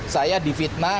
saya di fitnah